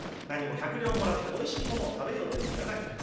なにも１００両もらっておいしいものを食べようというんじゃない。